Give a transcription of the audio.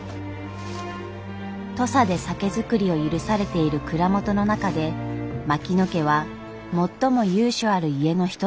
土佐で酒造りを許されている蔵元の中で槙野家は最も由緒ある家の一つでした。